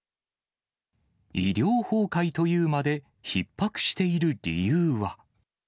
医療崩壊というまでひっ迫している理由は。